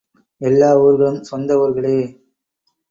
எல்லா ஊர்களும் சொந்த ஊர்களே!